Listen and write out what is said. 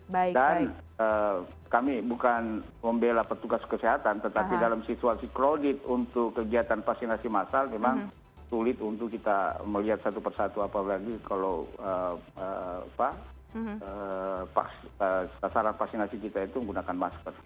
dan kami bukan membela petugas kesehatan tetapi dalam situasi kredit untuk kegiatan vaksinasi masal memang sulit untuk kita melihat satu persatu apa lagi kalau sasaran vaksinasi kita itu menggunakan masker